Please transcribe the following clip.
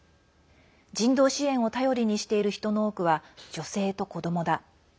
人道支援を頼りにしている人の多くは、女性と子どもだ。